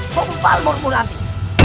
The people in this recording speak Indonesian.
sumpah murni murabi